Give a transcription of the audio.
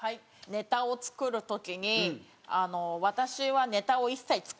ネタを作る時に私はネタを一切作ってないんですよ。